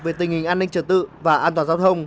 về tình hình an ninh trật tự và an toàn giao thông